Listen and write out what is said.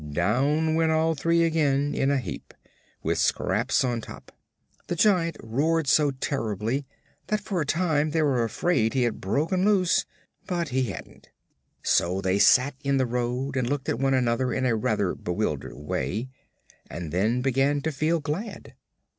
Down went all three again, in a heap, with Scraps on top. The Giant roared so terribly that for a time they were afraid he had broken loose; but he hadn't. So they sat in the road and looked at one another in a rather bewildered way, and then began to feel glad.